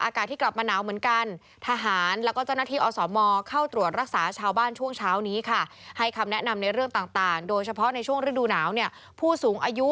อากาศที่กลับมาหนาวเหมือนกัน